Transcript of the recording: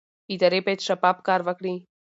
ادارې باید شفاف کار وکړي